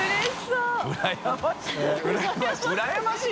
「うらやましい」